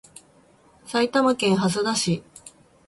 埼玉県蓮田市